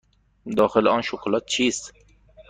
داخل آن شکلات چیست؟